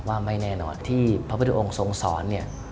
ว่าไม่แน่นอนที่พระพุทธองค์ทรงสอนเนี่ย